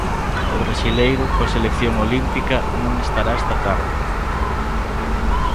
O brasileiro, coa selección olímpica, non estará esta tarde.